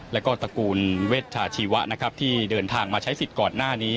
แล้วก็ตระกูลเวชชาชีวะนะครับที่เดินทางมาใช้สิทธิ์ก่อนหน้านี้